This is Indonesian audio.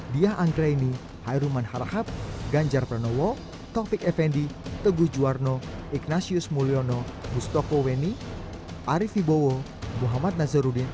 diah anggraini hairuman harahap ganjar pranowo taufik effendi teguh juwarno ignatius mulyono bustoko weni arief ibowo muhammad nazarudin